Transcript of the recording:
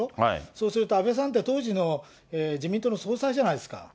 そうすると、安倍さんって当時の自民党の総裁じゃないですか。